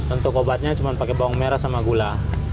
untuk obatnya cuma pakai bawang merah sama gula